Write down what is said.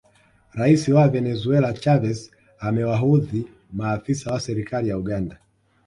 Rais wa Venezuela Chavez amewaudhi maafisa wa serikali ya Uganda